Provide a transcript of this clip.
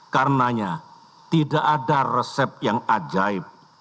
karenanya tidak ada resep yang ajaib